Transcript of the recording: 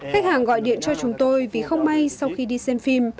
khách hàng gọi điện cho chúng tôi vì không may sau khi đi xem phim